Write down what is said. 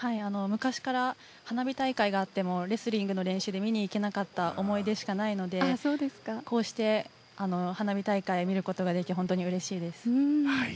昔から花火大会があっても、レスリングの練習で見られなかったので、思い出しかないので、こうして花火大会を見ることができてうれしいです。